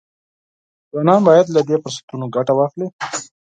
ځوانان باید له دې فرصتونو ګټه واخلي.